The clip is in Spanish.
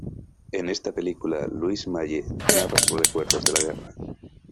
En esta película, Louis Malle narra sus recuerdos de la guerra.